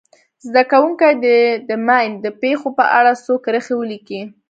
زده کوونکي دې د ماین د پېښو په اړه څو کرښې ولیکي.